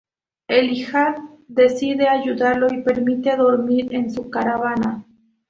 Elijah decide ayudarlo y permitirle dormir en su caravana.